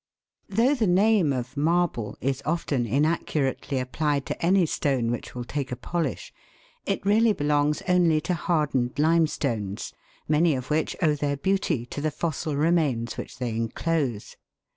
Though the name of " marble," is often inaccurately ap plied to any stone which will take a polish, it really belongs only to hardened limestones, many of which owe their beauty to the fossil remains which they enclose.